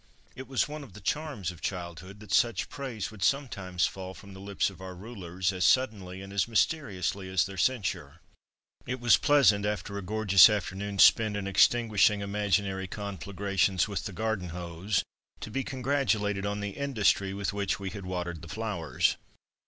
It was one of the charms of childhood that such praise would sometimes fall from the lips of our rulers as suddenly and as mysteriously as their censure. It was pleasant, after a gorgeous afternoon spent in extinguishing imaginary conflagrations with the garden house to be congratulated on the industry with which we had watered the flowers.